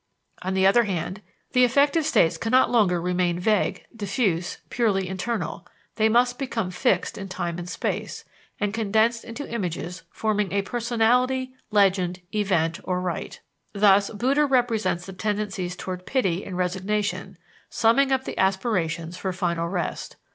On the other hand, the affective states cannot longer remain vague, diffuse, purely internal; they must become fixed in time and space, and condensed into images forming a personality, legend, event, or rite. Thus, Buddha represents the tendencies towards pity and resignation, summing up the aspirations for final rest.